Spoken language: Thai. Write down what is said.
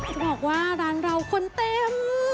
จะบอกว่าร้านเราคนเต็ม